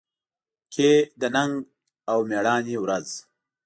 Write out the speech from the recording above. کې د ننګ او مېړانې ورځ